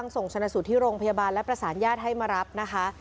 ส่งชนะสูตรที่โรงพยาบาลและประสานญาติให้มารับนะคะ